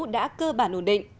đã cơ bản ổn định